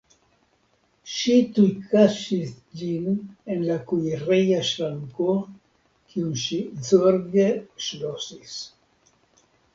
Ŝi tuj kaŝis ĝin en la kuireja ŝranko, kiun ŝi zorge ŝlosis.